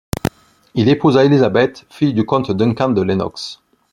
Il épousa Elizabeth, fille du comte Duncan de Lennox.